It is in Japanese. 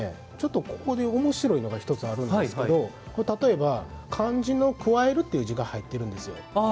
ここで、おもしろいのが１つあるんですけど例えば、漢字の「加」という字が入ってるんですよ。